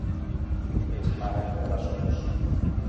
És mare de bessons.